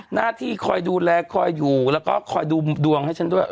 หน้าที่คอยดูแลคอยอยู่แล้วก็คอยดูดวงให้ฉันด้วย